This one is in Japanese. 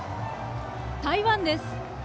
台湾です。